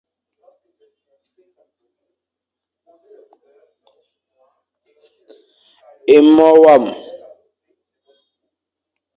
É mo wam.